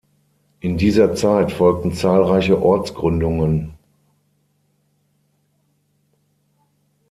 In dieser Zeit folgten zahlreiche Ortsgründungen.